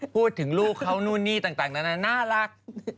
พูดถึงลูกเขานู่นนี่ต่างนานาน่ารัก